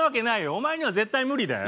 お前には絶対無理だよ。